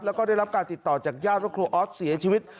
แล้วก็ได้รับการติดต่อจากญาติว่าครูออสเสียชีวิต